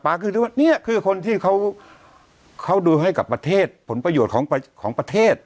ก็คือนึกว่านี่คือคนที่เขาดูให้กับประเทศผลประโยชน์ของประเทศ